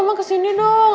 maa mah kesini dong